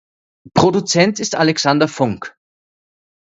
Produzent ist Alexander Funk.